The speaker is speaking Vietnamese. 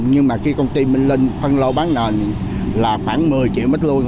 nhưng mà khi công ty minh linh phân lô bán nền là khoảng một mươi triệu mét luôn